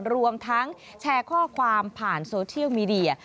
รวมทั้งแชร์ข้อความผ่านโซเชียลมีเดีย